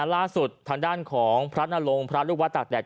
ล่าสุดทางด้านของพระนโลงพระรุกวัตตักแดก